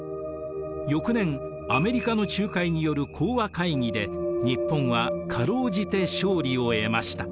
翌年アメリカの仲介による講和会議で日本はかろうじて勝利を得ました。